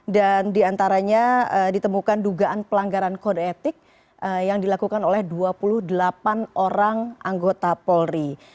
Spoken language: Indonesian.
dan diantaranya ditemukan dugaan pelanggaran kode etik yang dilakukan oleh dua puluh delapan orang anggota polri